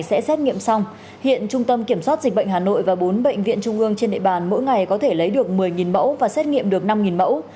sẽ xét nghiệm xong hiện trung tâm kiểm soát dịch bệnh hà nội và bốn bệnh viện trung ương trên địa bàn mỗi ngày có thể lấy được một mươi mẫu và xét nghiệm được năm mẫu